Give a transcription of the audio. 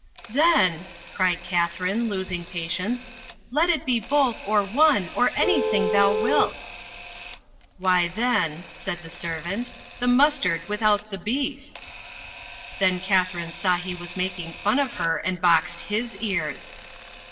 "Then," cried Katharine, losing patience, "let it be both, or one, or anything thou wilt." "Why then," said the servant, "the mustard without the beef !" Then Katharine saw he was making fun of her, and boxed his ears.